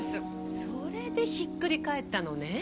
それでひっくり返ったのね。